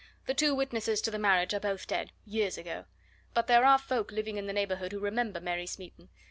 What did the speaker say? "The two witnesses to the marriage are both dead years ago. But there are folk living in the neighbourhood who remember Mary Smeaton.